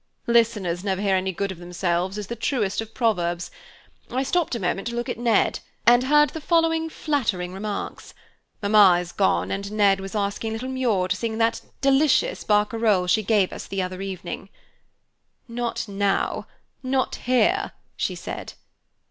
"'Listeners never hear any good of themselves' is the truest of proverbs. I stopped a moment to look at Ned, and heard the following flattering remarks. Mamma is gone, and Ned was asking little Muir to sing that delicious barcarole she gave us the other evening. "'Not now, not here,' she said.